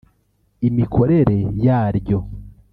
imikorere yaryo